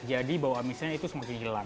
jadi bau amisnya itu semakin jelang